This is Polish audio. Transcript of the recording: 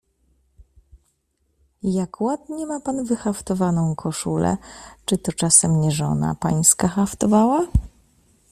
"Jak ładnie ma pan wyhaftowaną koszulę, czy to czasem nie żona pańska haftowała?"